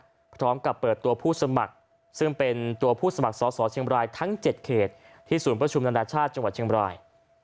พร้อมกับเปิดตัวผู้สมัครซึ่งเป็นตัวผู้สมัครสอสอเชียงบรายทั้ง๗เขตที่ศูนย์ประชุมนานาชาติจังหวัดเชียงบราย